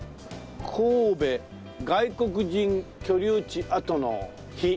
「神戸外国人居留地跡の碑」